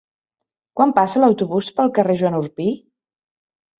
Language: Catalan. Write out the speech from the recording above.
Quan passa l'autobús pel carrer Joan Orpí?